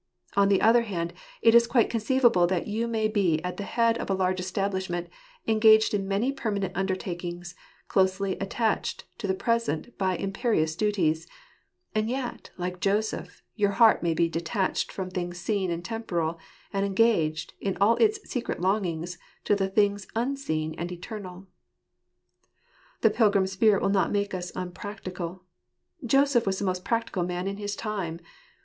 On the other hand, it is quite conceivable that you may be at the head of a large establishment, engaged in many permanent undertakings, closely attached to the present by imperious duties; and yet, like Joseph, your heart may be detached from things seen and temporal, and engaged, in all its secret longings, to the things unseen and eternal. The pilgrim spirit will not make us unpractical. Joseph was the most practical man in his time.